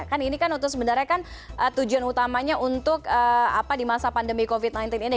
kan ini kan untuk sebenarnya kan tujuan utamanya untuk di masa pandemi covid sembilan belas ini